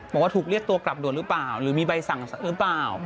บอกว่าถูกเรียกตัวกลับด่วนหรือเปล่าหรือมีใบสั่งหรือเปล่า